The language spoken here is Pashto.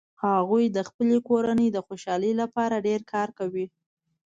هغوي د خپلې کورنۍ د خوشحالۍ لپاره ډیر کار کوي